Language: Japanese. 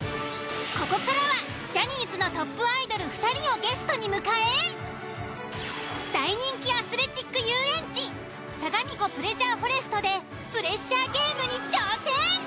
ここからはジャニーズのトップアイドル２人をゲストに迎え大人気アスレチック遊園地さがみ湖プレジャーフォレストでプレッシャーゲームに挑戦。